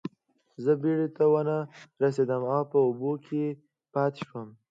زه بیړۍ ته ونه رسیدم او په اوبو کې پاتې شوم.